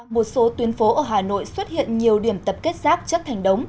một số tuyến phố ở hà nội xuất hiện nhiều điểm tập kết rác chất thành đống